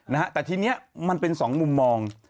นะฮะแต่ทีนี้มันเป็นสองมุมมอง